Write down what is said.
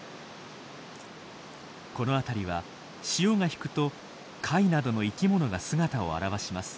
この辺りは潮が引くと貝などの生きものが姿を現します。